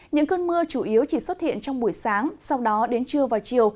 những cơn mưa chủ yếu chỉ xuất hiện trong buổi sáng sau đó đến trưa và chiều